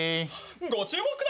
ご注文ください。